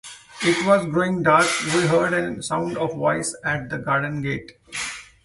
It was growing dark — we heard a sound of voices at the garden-gate.